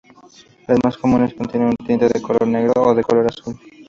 Las más comunes contienen tinta de color negro o de color azul.